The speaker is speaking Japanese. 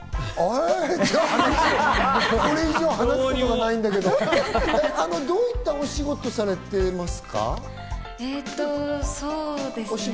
これ以上、話すことがないんだけど、どういったお仕事をされてますか？